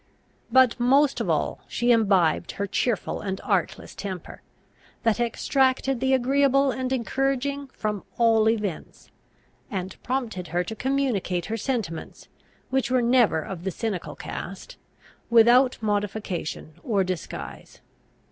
But most of all she imbibed her cheerful and artless temper, that extracted the agreeable and encouraging from all events, and prompted her to communicate her sentiments, which were never of the cynical cast, without modification or disguise.